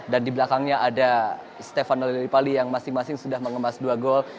dan di belakangnya ada stefano lillipali yang masing masing sudah mengemas dua gol